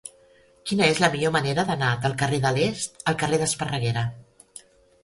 Quina és la millor manera d'anar del carrer de l'Est al carrer d'Esparreguera?